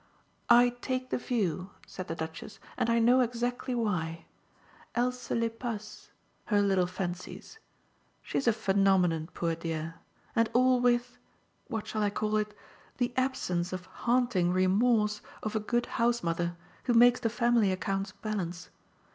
"I take the view," said the Duchess, "and I know exactly why. Elle se les passe her little fancies! She's a phenomenon, poor dear. And all with what shall I call it? the absence of haunting remorse of a good house mother who makes the family accounts balance.